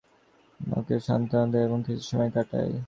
সেখানে তারা প্রিয়কের শোকার্ত মাকে সান্ত্বনা দেয় এবং কিছু সময় কাটায়।